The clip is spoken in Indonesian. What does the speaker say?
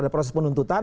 ada proses penuntutan